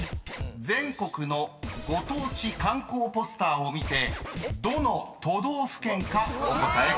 ［全国のご当地観光ポスターを見てどの都道府県かお答えください］